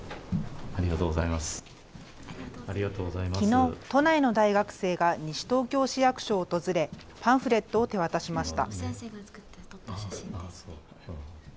きのう、都内の大学生が西東京市役所を訪れパンフレットを手渡しました。